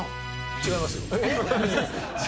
違いますよ。